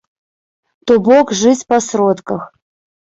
То бок, жыць па сродках.